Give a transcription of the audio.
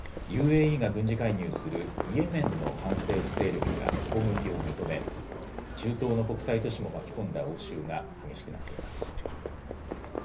ＵＡＥが軍事介入するイエメンの反政府勢力が攻撃を認め中東の国際都市も巻き込んだ応酬が激しくなっています。